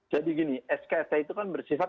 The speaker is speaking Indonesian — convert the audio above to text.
jadi gini skt itu kan bersifat